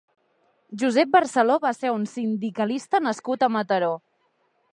Josep Barceló va ser un sindicalista nascut a Mataró.